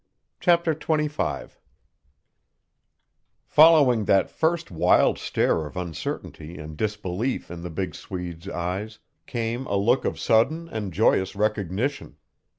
CHAPTER XXV Following that first wild stare of uncertainty and disbelief in the big Swede's eyes came a look of sudden and joyous recognition.